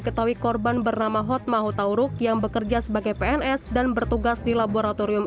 ketahui korban bernama hot mahu tauruk yang bekerja sebagai pns dan bertugas di laboratorium